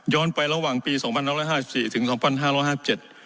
ไประหว่างปีสองพันห้าร้อยห้าสิบสี่ถึงสองพันห้าร้อยห้าเจ็ด